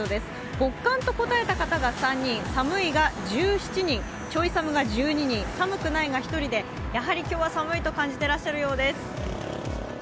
極寒と答えた方が３人、寒いが１７人、ちょい寒が１２人寒くないが１人でやはり今日は寒いと感じてらっしゃるようです。